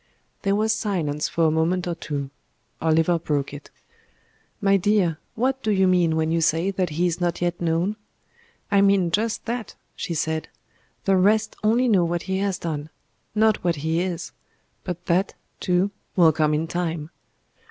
There was silence for a moment or two. Oliver broke it. "My dear, what do you mean when you say that He is not yet known?" "I mean just that," she said. "The rest only know what He has done not what He is; but that, too, will come in time."